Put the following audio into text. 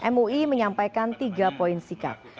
mui menyampaikan tiga poin sikap